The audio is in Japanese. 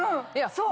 そう？